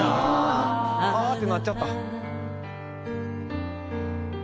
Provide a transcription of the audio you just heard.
「ああーってなっちゃった」